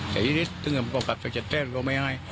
เนี่ยถึงก็กลับเจ็ดเจ็ดจะไม่ให้